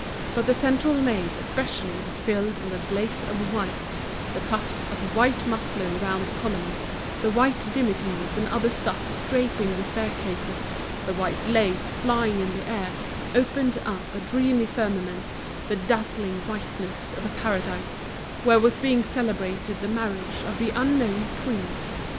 But the central nave especially was filled with a blaze of white: the puffs of white muslin round the columns, the white dimities and other stuffs draping the staircases, the white lace flying in the air, opened up a dreamy firmament, the dazzling whiteness of a paradise, where was being celebrated the marriage of the unknown queen.